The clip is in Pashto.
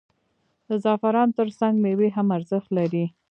د زعفرانو ترڅنګ میوې هم ارزښت لري.